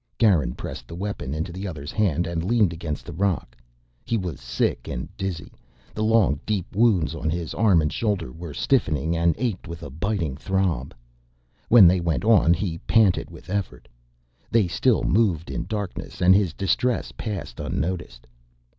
Garin pressed the weapon into the other's hand and leaned against the rock. He was sick and dizzy. The long, deep wounds on his arm and shoulder were stiffening and ached with a biting throb. When they went on he panted with effort. They still moved in darkness and his distress passed unnoticed.